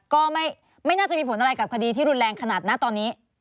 ก็ไม่น่าจะมีผลอะไรกับคดีที่รุนแรงขนาดนะตอนนี้